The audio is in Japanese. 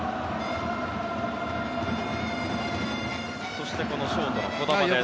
そしてショートの児玉です。